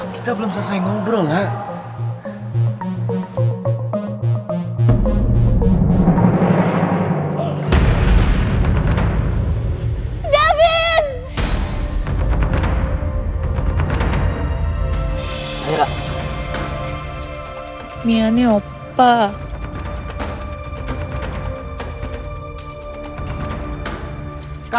kita belum selesai ngobrol nak